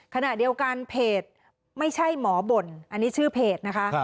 ขณะเดียวกันเพจไม่ใช่หมอบ่นอันนี้ชื่อเพจนะคะ